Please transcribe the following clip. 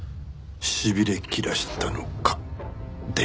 しびれ切らしたのか電話が。